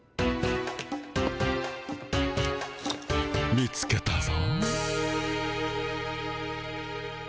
見つけたぞ。